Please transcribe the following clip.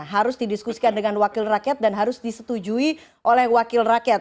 harus didiskusikan dengan wakil rakyat dan harus disetujui oleh wakil rakyat